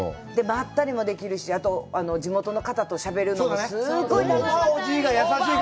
まったりもできるし、あと、地元の方としゃべるのもすごい楽しい。